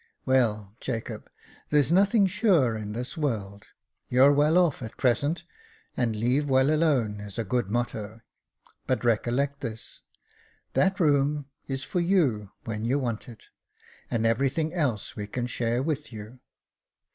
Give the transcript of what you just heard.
"Well, Jacob, there's nothing sure in this world. You're well off at present, and ' leave well alone ' is a good motto ; but recollect this, that room is for you when you want it, and everything else we can share with you.